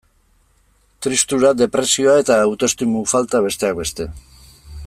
Tristura, depresioa eta autoestimu falta, besteak beste.